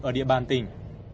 ở địa bàn tỉnh